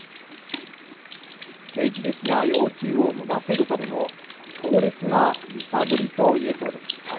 政治的な要求をのませるための強烈な揺さぶりと言えそうです。